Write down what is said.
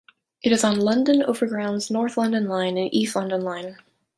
It is on London Overground's North London Line and East London Line.